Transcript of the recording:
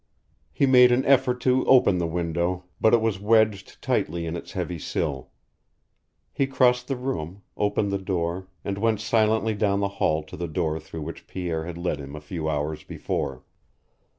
He made an effort to open the window, but it was wedged tightly in its heavy sill. He crossed the room, opened the door, and went silently down the hall to the door through which Pierre had led him a few hours before.